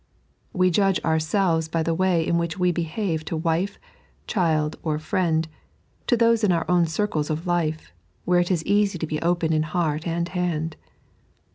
We judge ouraelves by the way in which we behave to wife, child, or friend, to tboee in our own circles of life, where it ie easy to be open in heart and hand.